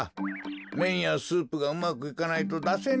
めんやスープがうまくいかないとだせんのじゃろう。